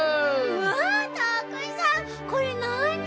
わあたくさんこれなに？